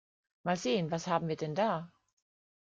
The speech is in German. Mal sehen, was haben wir denn da?